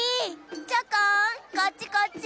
チョコンこっちこっち！